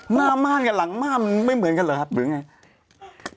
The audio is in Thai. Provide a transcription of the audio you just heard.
ม่าม่านกับหลังม่านมันไม่เหมือนกันเหรอครับหรือไง